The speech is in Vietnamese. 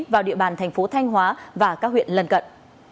vào địa bàn thành phố thanh hóa và các huyện lần cận